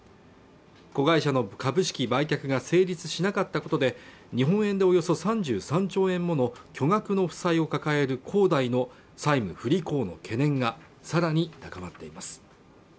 子会社の株式売却が成立しなかったことで日本円でおよそ３３兆円もの巨額の負債を抱える広大の債務不履行の懸念がさらに高まっています